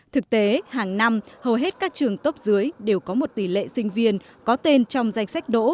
thực tế hàng năm hầu hết các trường tốt dưới đều có một tỷ lệ sinh viên có tên trong danh sách đỗ